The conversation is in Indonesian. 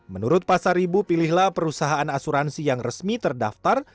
menurut pasar ibu pilihlah perusahaan asuransi yang resmi terdaftar